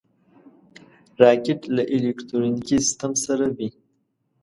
راکټ له الکترونیکي سیسټم سره وي